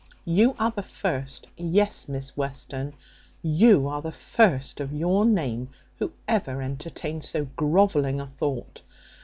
You are the first yes, Miss Western, you are the first of your name who ever entertained so grovelling a thought.